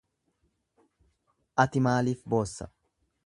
Ati maaliif boossa?